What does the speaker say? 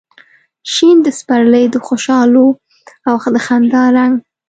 شین د سپرلي د خوشحالو او د خندا رنګ